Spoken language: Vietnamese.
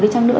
để chăng nữa